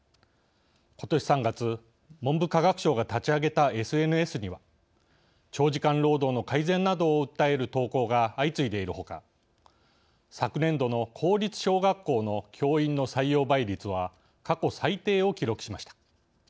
ことし３月文部科学省が立ち上げたＳＮＳには長時間労働の改善などを訴える投稿が相次いでいるほか昨年度の公立小学校の教員の採用倍率は過去最低を記録しました。